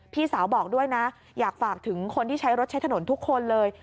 พี่สาวบอกด้วยนะอยากฝากถึงคนที่ใช้รถใช้ถนนทุกคนเลย